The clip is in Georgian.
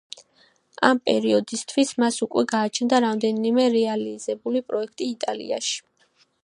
ამ პერიოდისთვის მას უკვე გააჩნდა რამდენიმე რეალიზებული პროექტი იტალიაში.